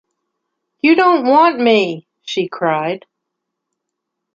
“You don’t want me!” she cried.